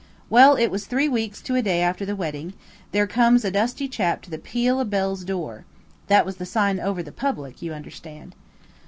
Well it was three weeks to a day after the wedding, there comes a dusty chap to the 'Peal of Bells' door. That was the sign over the public, you understand."